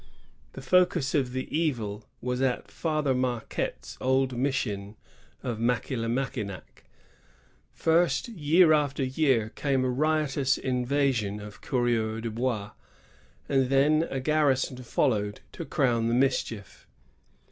The focus of the evil was at Father Marquette's old mission of Michilimaokinac. First, year after year came a riotous invasion of coureurs de hois^ and then a garrison followed to crown the mischief.